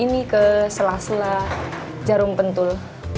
ini juga bisa dikumpulkan ke selah selah jarum pentul